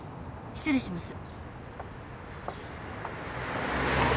失礼します。